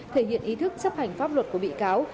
thể hiện ý thức chấp hành pháp luật của bị cáo